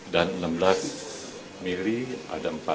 dan enam belas mili ada empat